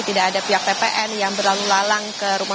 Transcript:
tidak ada pihak tpn yang berlalu lalang